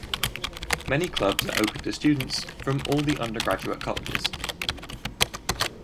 Many clubs are open to students from all the undergraduate colleges.